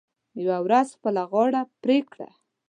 یوه ورځ خپله غاړه پرې کړه .